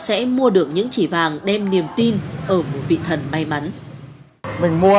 em mua số lượng ít cho nên là em thấy bình thường thôi